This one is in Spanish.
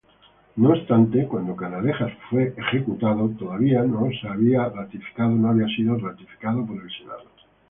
No obstante, cuando Canalejas fue asesinado, todavía no había sido ratificado por el Senado.